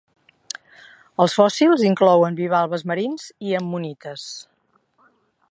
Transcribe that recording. Els fòssils inclouen bivalves marins i ammonites.